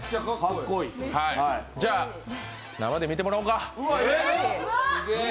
じゃあ生で見てもらおうか？